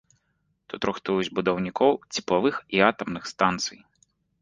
Тут рыхтуюць будаўнікоў цеплавых і атамных станцый.